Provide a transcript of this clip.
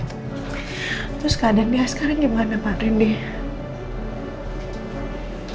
terus keadaan dia sekarang gimana pak rindy